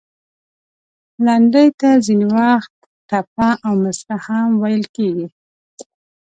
لنډۍ ته ځینې وخت، ټپه او مصره هم ویل کیږي.